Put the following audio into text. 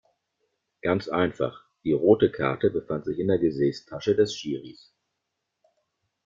Ganz einfach: Die rote Karte befand sich in der Gesäßtasche des Schiris.